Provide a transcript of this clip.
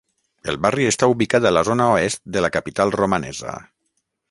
El barri està ubicat a la zona oest de la capital romanesa.